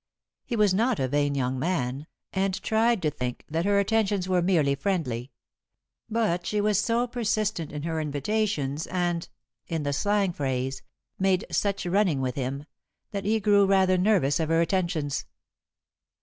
He was not a vain young man, and tried to think that her attentions were merely friendly; but she was so persistent in her invitations and in the slang phrase made such running with him, that he grew rather nervous of her attentions.